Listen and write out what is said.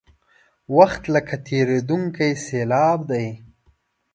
وخت لکه تېرېدونکې سیلاب دی.